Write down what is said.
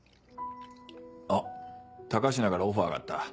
あっ高階からオファーがあった。